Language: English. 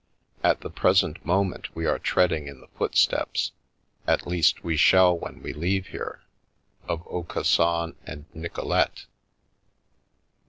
At the present moment we are treading in the footsteps — at least we shall when we leave here— of Aucassin and Nicolete."